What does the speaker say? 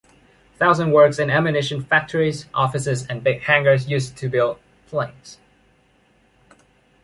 Thousands work in ammunition factories, offices and big hangars used to build planes.